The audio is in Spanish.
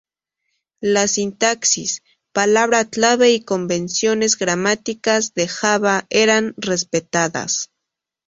La sintaxis, palabras clave y convenciones gramáticas de Java eran respetadas.